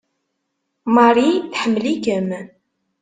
Marie tḥemmel-ikem!